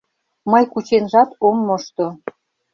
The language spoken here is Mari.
Мый кученжат ом мошто.